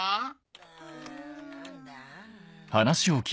うん。何だ？